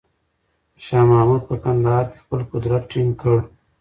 شاه محمود په کندهار کې خپل قدرت ټینګ کړ.